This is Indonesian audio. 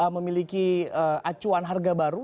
memiliki acuan harga baru